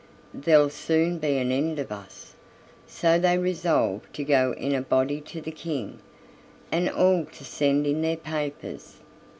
There'll soon be an end of us." So they resolved to go in a body to the King, and all to send in their papers.